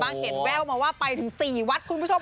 เห็นแว่วมาว่าไปถึง๔วัดคุณผู้ชม